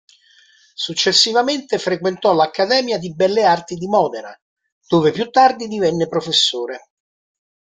Successivamente frequentò l'Accademia di belle arti di Modena, dove più tardi divenne professore.